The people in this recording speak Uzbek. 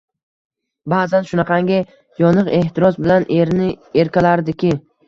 Baʼzan shunaqangi yoniq ehtiros bilan erini erkalardiki